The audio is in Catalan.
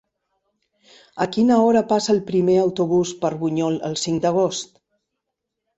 A quina hora passa el primer autobús per Bunyol el cinc d'agost?